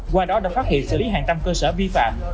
qua đó đã phát hiện xử lý hàng trăm cơ sở vi phạm